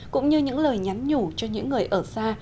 cũng như những lời nhắn nhủ cho những người ở xa